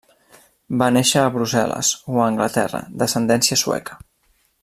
Va néixer a Brussel·les o a Anglaterra, d'ascendència sueca.